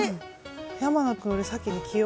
山名君より先に着よ！